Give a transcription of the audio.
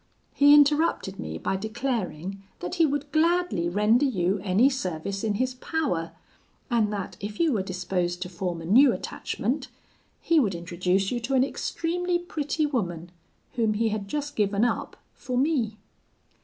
He interrupted me by declaring, that he would gladly render you any service in his power, and that if you were disposed to form a new attachment, he would introduce you to an extremely pretty woman, whom he had just given up for me.